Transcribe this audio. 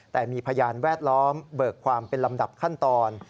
แต่มีพยานแวดล้อมเบิกความเป็นลำดับขั้นตอน